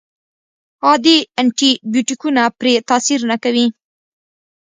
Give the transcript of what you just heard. عادي انټي بیوټیکونه پرې تاثیر نه کوي.